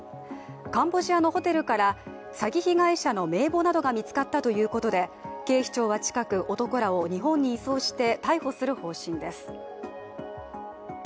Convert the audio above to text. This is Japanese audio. カンボジアのホテルから詐欺被害者の名簿などが見つかったということで警視庁は近く男らを日本に移送して逮捕する方針です。